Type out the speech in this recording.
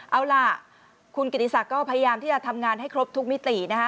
เอาล่ะคุณกิติศักดิ์ก็พยายามที่จะทำงานให้ครบทุกมิตินะฮะ